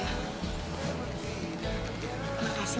terima kasih ya